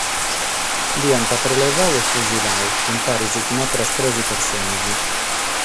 Dd'aiant prelevadu e fusiladu, paris cun àteras tres persones.